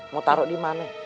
mau taruh dimana